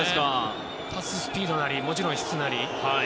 パススピードなりもちろん質なり。